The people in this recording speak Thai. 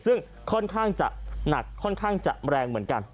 ซึ่งค่อนข้างจะหนักค่อนข้างจะแรงเหมือนกัน